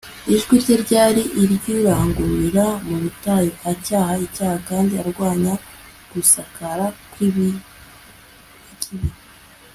Ijwi rye ryari iryurangururira mu butayu acyaha icyaha kandi arwanya gusakara kwikibi